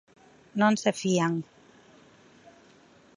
Non se fían.